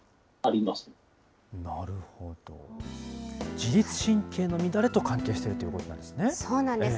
自律神経の乱れと関係しているということなんですね。